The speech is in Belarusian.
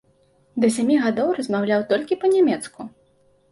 Да сямі гадоў размаўляў толькі па-нямецку.